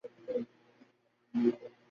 তিনি হাসপাতালে যেতে অস্বীকৃতি জানান।